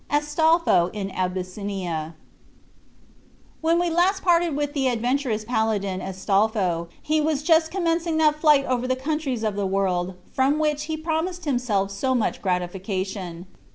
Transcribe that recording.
ASTOLPHO IN ABYSSINIA When we last parted with the adventurous paladin Astolpho, he was just commencing that flight over the countries of the world from which he promised himself so much gratification.